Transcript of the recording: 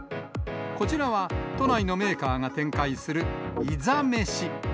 こちらは都内のメーカーが展開するイザメシ。